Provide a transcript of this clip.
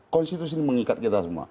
konstitusi ini mengikat kita semua